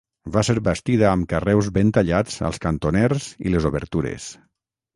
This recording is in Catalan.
Va ser bastida amb carreus ben tallats als cantoners i les obertures.